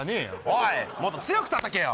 おいもっと強く叩けよ！